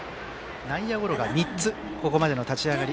内野ゴロが３つというここまでの立ち上がり。